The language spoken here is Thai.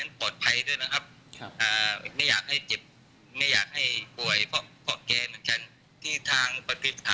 อาจจะเป็นเพราะหายใจไม่ไหวแล้วน่าจะเป็นการเข้าใจผิดมากกว่า